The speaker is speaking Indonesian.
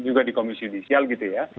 juga di komisi judisial gitu ya